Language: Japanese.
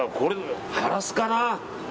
ハラスかな。